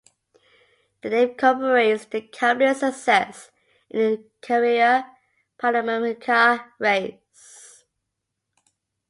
The name commemorates the company's success in the Carrera Panamericana race.